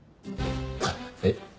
えっ？